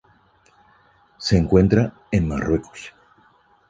Se encuentra en Marruecos.